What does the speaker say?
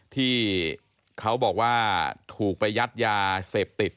ที่เขาบอกว่าถูกไปยัดยาเสพติด